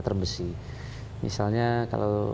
termesi misalnya kalau